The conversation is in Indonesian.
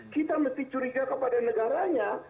kita mesti curiga kepada negaranya